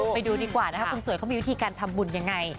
ไปดูดีกว่านะคะคุณสวยเขามีวิธีการทำบุญยังไง